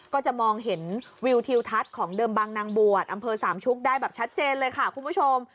ก็จะมองเห็นวิวทิวทัศน์ของเดิมบางนางบวชอำเภอสามชุกได้แบบชัดเจนเลยค่ะคุณผู้ชม